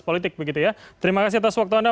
politik begitu ya terima kasih atas waktu anda